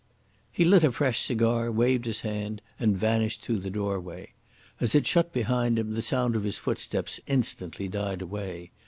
He lit a fresh cigar, waved his hand, and vanished through the doorway. As it shut behind him, the sound of his footsteps instantly died away.